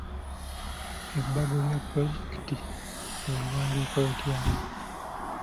Ebbago lya pulojekiti oliwandiika otya?